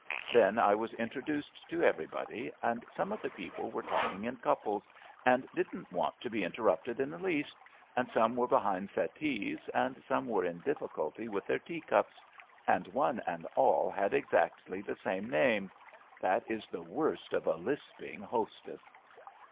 Then I was introduced to everybody, and some of the people were talking in couples, and didn't want to be interrupted in the least, and some were behind settees, and some were in difficulty with their tea cups, and one and all had exactly the saxne name. That is the worst of a lisping hostess.